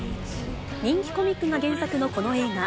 人気コミックが原作のこの映画。